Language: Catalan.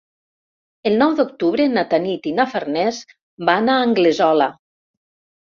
El nou d'octubre na Tanit i na Farners van a Anglesola.